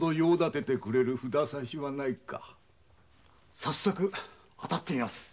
早速当たってみます。